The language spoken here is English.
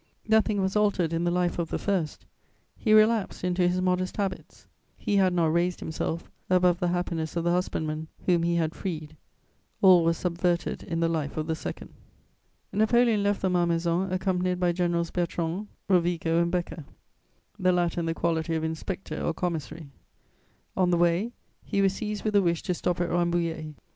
Nothing was altered in the life of the first; he relapsed into his modest habits; he had not raised himself above the happiness of the husbandman whom he had freed: all was subverted in the life of the second. * Napoleon left the Malmaison accompanied by Generals Bertrand, Rovigo and Beker, the latter in the quality of inspector or commissary. On the way, he was seized with a wish to stop at Rambouillet.